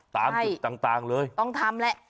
ตามจุดต่างเลยต้องทำแหละ